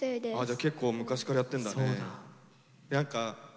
結構昔からやってんだね。